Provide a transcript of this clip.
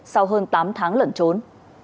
sau hơn tám tháng lẩn trốn